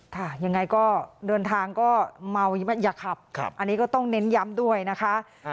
ค่ะยังไงก็เดินทางก็เมาอย่าขับอันนี้ก็ต้องเน้นย้ำด้วยนะคะ